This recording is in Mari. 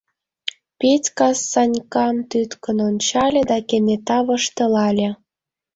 — Петька Санькам тӱткын ончале да кенета воштылале.